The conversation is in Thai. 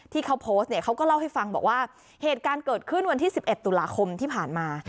ที่เขาโพสต์เนี่ยเขาก็เล่าให้ฟังบอกว่าเหตุการณ์เกิดขึ้นวันที่๑๑ตุลาคมที่ผ่านมา